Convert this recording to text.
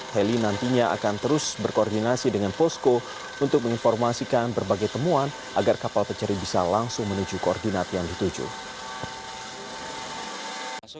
heli nantinya akan terus berkoordinasi dengan posko untuk menginformasikan berbagai temuan agar kapal pencari bisa langsung menuju koordinat yang dituju